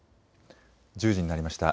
１０時になりました。